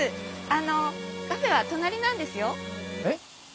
あのカフェは隣なんですよ。えっ？